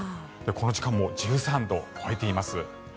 この時間も１３度を超えています。